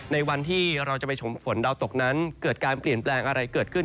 ในวันที่เราจะไปชมฝนดาวตกนั้นเกิดการเปลี่ยนแปลงอะไรเกิดขึ้น